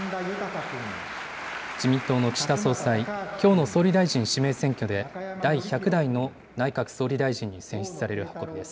自民党の岸田総裁、きょうの総理大臣指名選挙で第１００代の内閣総理大臣に選出される運びです。